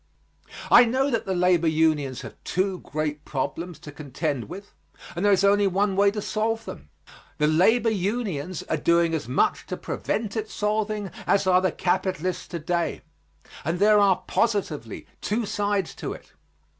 I know that the labor unions have two great problems to contend with, and there is only one way to solve them. The labor unions are doing as much to prevent its solving as are the capitalists to day, and there are positively two sides to it.